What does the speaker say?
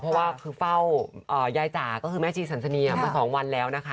เพราะว่าคือเฝ้ายายจ๋าก็คือแม่ชีสันสนีมา๒วันแล้วนะคะ